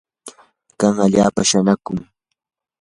kan allaapam shanaykun.